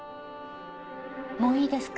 もういいですか？